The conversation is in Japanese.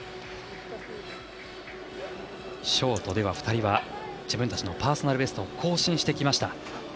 ショートでは２人は自分たちのパーソナルベストを更新してきました。